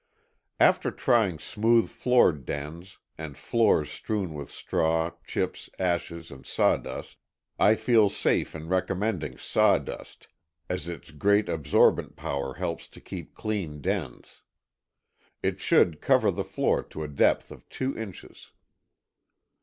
After trying smooth floored dens, and floors strewn with straw, chips, ashes and sawdust; I feel safe in recommending sawdust, as its great absorbent power helps to keep clean dens. It should cover the floor to a depth of two inches.